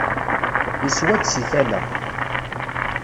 Yeswa-d seg tala.